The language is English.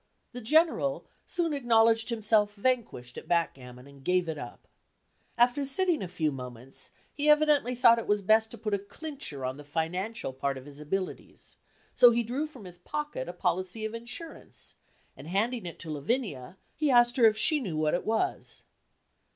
The General soon acknowledged himself vanquished at backgammon, and gave it up. After sitting a few moments, he evidently thought it was best to put a clincher on the financial part of his abilities; so he drew from his pocket a policy of insurance, and handing it to Lavinia, he asked her if she knew what it was.